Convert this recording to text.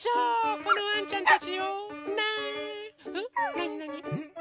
なになに？